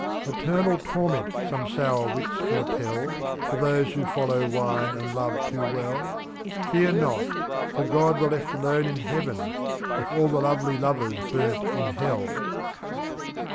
52 Eternal torment some sour wits foretell For those who follow wine and love too well, — /«»3.Fear not, for God were left alone in Heaven If all the lovely lovers burnt in hell.